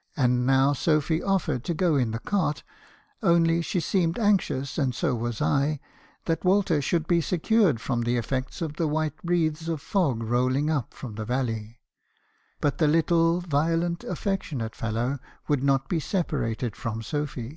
— And now Sophy offered to go in the cart; only she seemed anxious, and so was I, that Walter should be se cured from the effects of the white wreaths of fog rolling up from the valley ; but the little violent , affectionate fellow would not be separated from Sophy.